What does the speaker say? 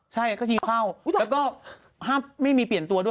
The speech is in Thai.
ใช่ก็ยิงเข้าแล้วก็ห้ามไม่มีเปลี่ยนตัวด้วย